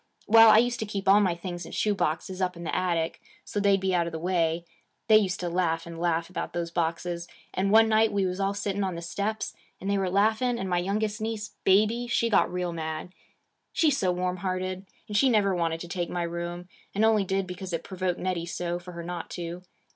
Well, I used to keep all my things in shoe boxes, up in the attic, so they'd be out of the way. They used to laugh, and laugh, about those boxes; and one night we was all sitting on the steps, and they were laughing, and my youngest niece, Baby, she got real mad. She 's so warm hearted and she never wanted to take my room, and only did because it provoked Nettie so, for her not to.